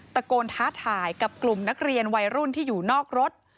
ตะโกนท้าทายกับกลุ่มนักเรียนวัยรุ่นที่อยู่นอกรถ